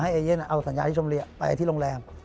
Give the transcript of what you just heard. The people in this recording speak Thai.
ให้เอเย่นเอาสัญญาณที่ชมบุรีไปที่โรงแรม